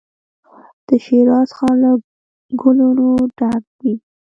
د شیراز ښار له ګلو نو ډک وي.